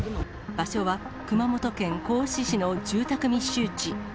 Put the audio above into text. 場所は、熊本県合志市の住宅密集地。